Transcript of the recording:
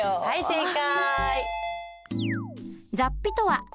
正解！